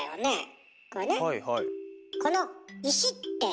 はいはい。